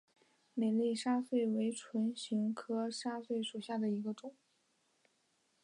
美丽沙穗为唇形科沙穗属下的一个种。